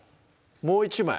もう１枚？